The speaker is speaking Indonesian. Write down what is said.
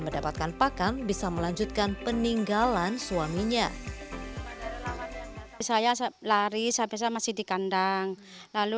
mendapatkan pakan bisa melanjutkan peninggalan suaminya saya lari saya bisa masih dikandang lalu